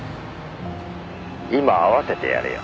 「今会わせてやるよ」